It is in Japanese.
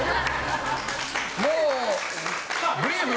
もう、ブリーフ？